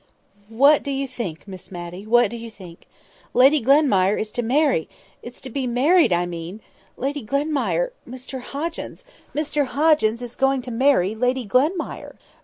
"What do you think, Miss Matty? What do you think? Lady Glenmire is to marry—is to be married, I mean—Lady Glenmire—Mr Hoggins—Mr Hoggins is going to marry Lady Glenmire!"